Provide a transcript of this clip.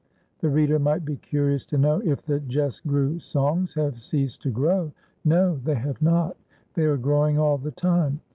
The reader might be curious to know if the "jes' grew" songs have ceased to grow. No, they have not; they are growing all the time.